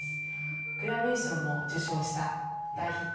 グラミー賞も受賞した大ヒット。